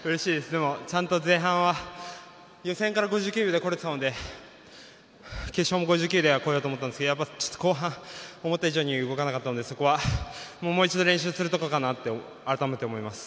でも、ちゃんと前半予選から５９秒でこれてたので決勝も５９では来ようと思ったんですがやっぱり、後半、思った以上に動かなかったのでそこは、もう一度練習するところかなと改めて思います。